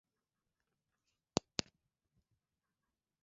Eamon Gilmore alisema